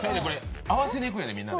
合わせにいくね、みんな。